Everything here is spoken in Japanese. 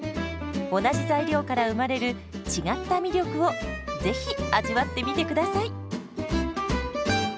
同じ材料から生まれる違った魅力をぜひ味わってみてください。